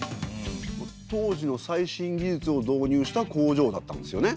当時の最新技術を導入した工場だったんですよね？